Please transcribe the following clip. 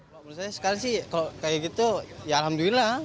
kalau menurut saya sekali sih kalau kayak gitu ya alhamdulillah